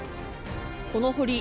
この堀